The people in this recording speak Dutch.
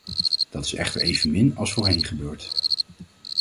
Dat is echter evenmin als voorheen gebeurd.